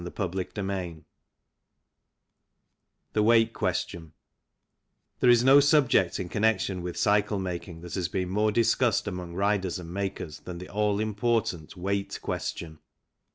CHAPTER XIII THE WEIGHT QUESTION THERE is no subject in connection with cycle making that has been more discussed among riders and makers than the all important weight question.